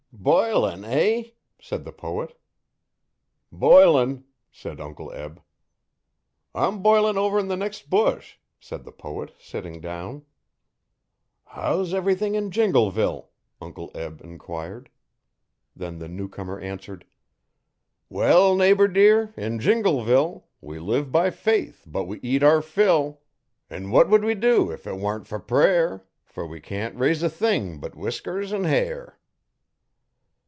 'Bilin', eh?' said the poet 'Bilin',' said Uncle Eb. 'I'm bilin' over 'n the next bush,' said the poet, sitting down. 'How's everything in Jingleville?' Uncle Eb enquired. Then the newcomer answered: 'Well, neighbour dear, in Jingleville We live by faith but we eat our fill; An' what w'u'd we do if it wa'n't fer prayer? Fer we can't raise a thing but whiskers an' hair.'